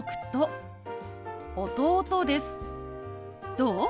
どう？